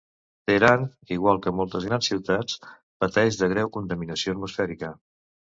Teheran, igual que moltes grans ciutats, pateix de greu contaminació atmosfèrica.